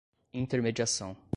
intermediação